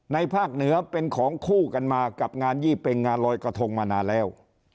ภาคเหนือเป็นของคู่กันมากับงานยี่เป็งงานลอยกระทงมานานแล้ว